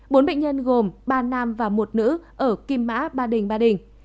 bốn bệnh nhân gồm ba nam và một nữ ở kim mã ba đình ba đình